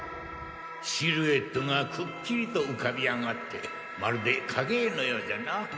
シルエットがくっきりと浮かび上がってまるで影絵のようじゃな。